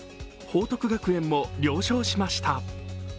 報徳学園も了承しました。